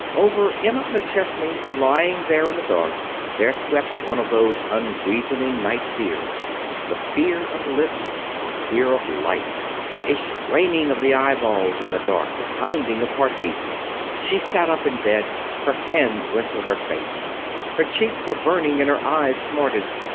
Over Emma McChesney, lying there in the dark, there swept one of those unreasoning night fears. The fear of living. The fear of life. A straining of the eyeballs in the dark. The pounding of heart beats. She sat up in bed. Her hands went to her face. Her cheeks were burning and her eyes smarted.